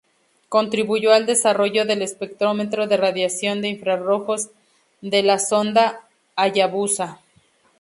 Contribuyó al desarrollo del espectrómetro de radiación de infrarrojos de la sonda Hayabusa.